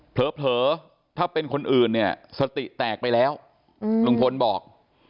เผลอถ้าเป็นคนอื่นเนี่ยสติแตกไปแล้วลุงพลบอก